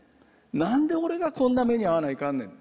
なんで俺がこんな目に遭わないかんねん。